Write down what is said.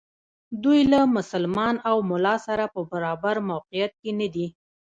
دوی له مسلمان او ملا سره په برابر موقعیت کې ندي.